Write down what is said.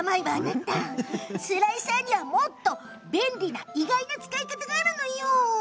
スライサーには、もっと便利な意外な使い方があるのよ。